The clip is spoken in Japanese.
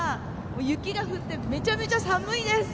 雪が降ってめちゃめちゃ寒いです。